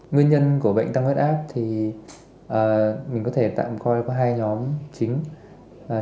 nguyên nhân của bệnh tăng huyết áp thì mình có thể tạm coi là có hai nhóm chính